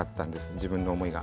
自分の思いが。